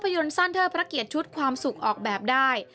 ยนต์สั้นเทิดพระเกียรติชุดความสุขออกแบบได้